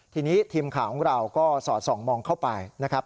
ทีนี้ทีมข่าวของเราก็สอดส่องมองเข้าไปนะครับ